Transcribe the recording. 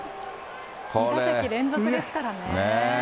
２打席連続ですからね。